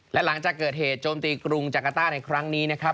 และหลังจากเกิดเหตุโจมตีกรุงจักรต้าในครั้งนี้นะครับ